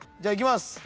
いきます。